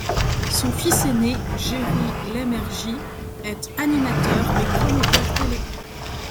Son fils aîné, Géry Leymergie, est animateur et chroniqueur télé.